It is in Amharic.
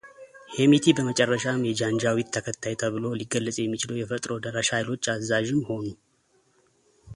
ሄምቲ በመጨረሻም የጃንጃዊድ ተከታይ ተብሎ ሊገለጽ የሚችለው የፈጥኖ ደራሽ ኃይሎች አዛዥም ሆኑ።